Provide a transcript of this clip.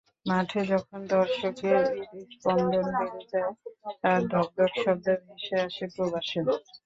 মাঠে যখন দর্শকের হৃৎস্পন্দন বেড়ে যায়, তার ধকধক শব্দ ভেসে আসে প্রবাসেও।